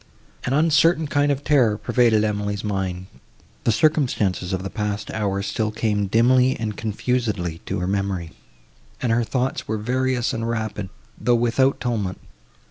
An uncertain kind of terror pervaded Emily's mind; the circumstances of the past hour still came dimly and confusedly to her memory; and her thoughts were various and rapid, though without tumult.